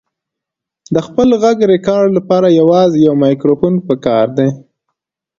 د خپل غږ ریکارډ لپاره یوازې یو مایکروفون پکار دی.